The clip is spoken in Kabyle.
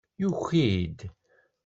Yuki-d.